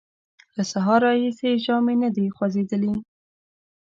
له سهاره راهیسې یې ژامې نه دې خوځېدلې!